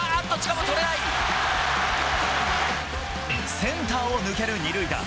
センターを抜ける２塁打。